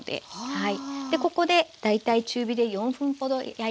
はい。